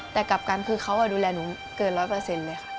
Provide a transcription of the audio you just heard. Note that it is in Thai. แต่กลับกันคือเขาดูแลหนูเกินร้อยเปอร์เซ็นต์เลยค่ะ